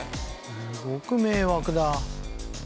すごく迷惑だ。